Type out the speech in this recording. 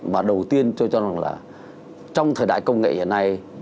và đầu tiên tôi cho rằng là trong thời đại công nghệ hiện nay